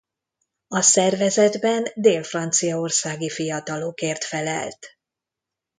A szervezetben dél-franciaországi fiatalokért felelt.